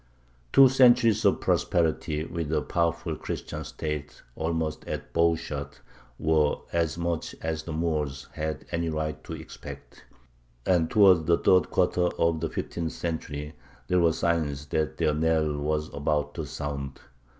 Two centuries of prosperity, with a powerful Christian State almost at bow shot, were as much as the Moors had any right to expect; and towards the third quarter of the fifteenth century there were signs that their knell was about to sound.